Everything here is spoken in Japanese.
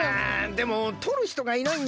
でもとるひとがいないんだよ。